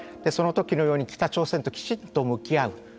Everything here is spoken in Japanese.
そのときのように北朝鮮ときちんと向き合う。